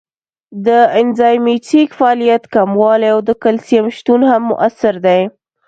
د انزایمټیک فعالیت کموالی او د کلسیم شتون هم مؤثر دی.